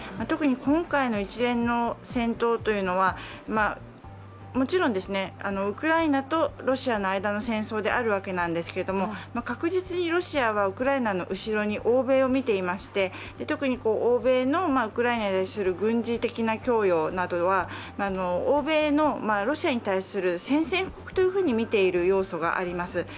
特に今回の一連の戦闘というのはもちろんウクライナとロシアの間の戦争であるわけなんですけど確実にロシアはウクライナの後ろに欧米を見ていまして特に欧米のウクライナに対する軍事的な供与というのは欧米のロシアに対する宣戦布告と見ている要素があります。